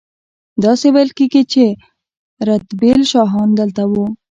داسې ویل کیږي چې رتبیل شاهان دلته وو